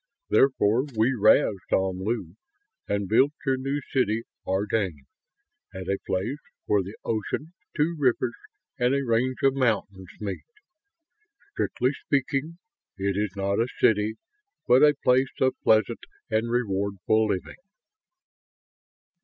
Therefore we razed Omlu and built your new city, Ardane, at a place where the ocean, two rivers, and a range of mountains meet. Strictly speaking, it is not a city, but a place of pleasant and rewardful living."